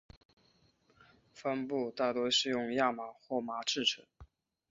帆布大多是用亚麻或麻制成。